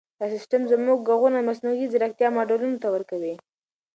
دا سیسټم زموږ ږغونه د مصنوعي ځیرکتیا ماډلونو ته ورکوي.